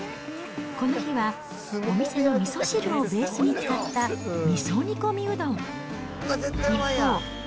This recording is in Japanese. この日は、お店のみそ汁をベースに使ったみそ煮込みうどん。